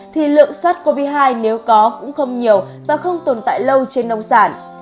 thì lượng sars cov hai nếu có cũng không nhiều và không tồn tại lâu trên nông sản